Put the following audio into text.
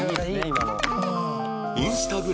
今の。